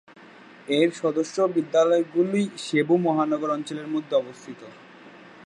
এর সদস্য বিদ্যালয়গুলি সেবু মহানগর অঞ্চলের মধ্যে অবস্থিত।